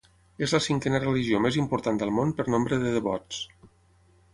És la cinquena religió més important del món per nombre de devots.